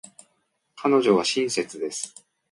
彼女は親切です。